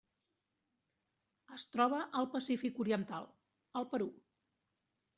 Es troba al Pacífic oriental: el Perú.